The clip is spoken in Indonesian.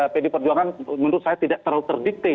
pd perjuangan menurut saya tidak terlalu terdikti